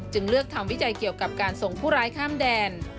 เลือกทำวิจัยเกี่ยวกับการส่งผู้ร้ายข้ามแดน